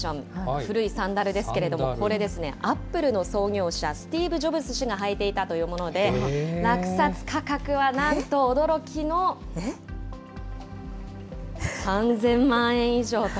古いサンダルですけれども、これですね、アップルの創業者、スティーブ・ジョブズ氏が履いていたというもので、落札価格はなんと驚きの、３０００万円以上と。